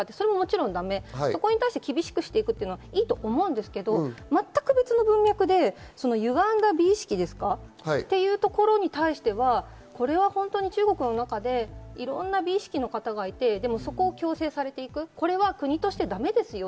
そこに対して厳しくしていくのはいいと思いますけど、全く別の文脈でゆがんだ美意識というところに対しては、これは中国の中でいろんな美意識の方がいて、そこを強制されていく、これは国としてだめですよ。